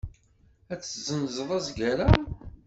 Ad tezzenzeḍ azger-a?